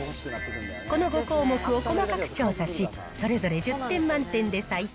この５項目を細かく調査し、それぞれ１０点満点で採点。